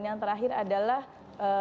dan yang terakhir adalah bergeseran